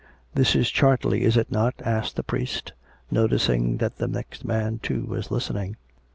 " This is Chartley, is it not ?" asked the priest, noticing that the next man, too, was listening.